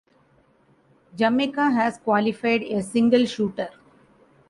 Jamaica has qualified a single shooter.